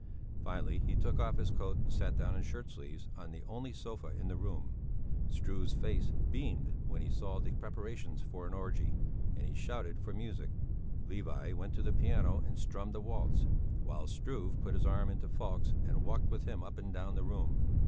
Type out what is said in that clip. Finally he took off his coat and sat down in shirt sleeves on the only sofa in the room. Struve's face beamed when he saw the preparations for an orgy, and he shouted for music. Levi went to the piano and strummed a waltz, while Struve put his arm into Falk's and walked with him up and down the room.